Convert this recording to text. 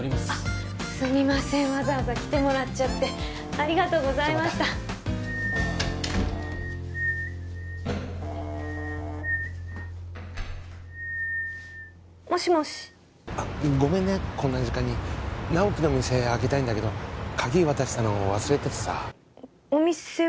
わざわざ来てもらっちゃってありがとうございましたじゃあまたもしもしあっごめんねこんな時間に直木の店開けたいんだけど鍵渡したの忘れててさお店を？